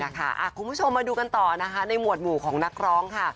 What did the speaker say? คุณผู้ชมมาดูกันต่อนะคะในหมวดหมู่ของนักร้องค่ะ